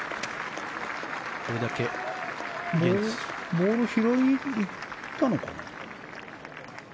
ボールを拾いに行ったのかな？